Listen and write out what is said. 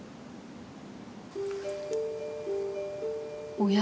おや？